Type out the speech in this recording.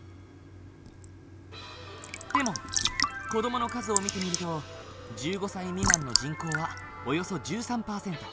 でも子どもの数を見てみると１５歳未満の人口はおよそ１３％。